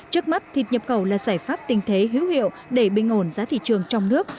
trước mắt thịt nhập khẩu là giải pháp tình thế hữu hiệu để bình ổn giá thị trường trong nước